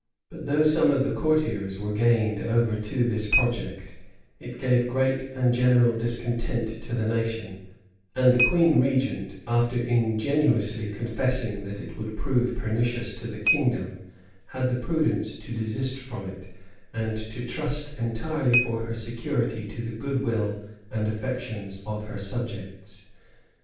But though some of the courtiers were gained over to this project, it gave great and general discontent to the nation; and the queen regent, after ingenuously confessing that it would prove pernicious to the kingdom, had the prudence to desist from it, and to trust entirely for her security to the good will and affections of her subjects.